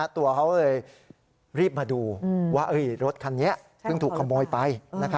ตัวเขาเลยรีบมาดูว่ารถคันนี้ซึ่งถูกขโมยไป